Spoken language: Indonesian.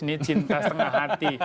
ini cinta setengah hati